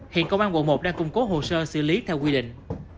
hiện công an quận một đang cung cố hồ sơ xử lý theo quy định